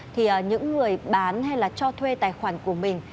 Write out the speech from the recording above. thì những người bán hay là cho thuê tài khoản của mình